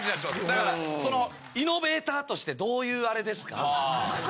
だからそのイノベーターとしてどういうアレですか。